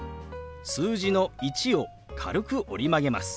数字の「１」を軽く折り曲げます。